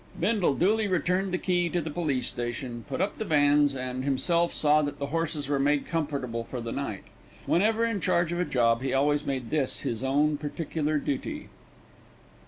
Bindle duly returned the key to the police station, put up the vans, and himself saw that the horses were made comfortable for the night. Whenever in charge of a job he always made this his own particular duty.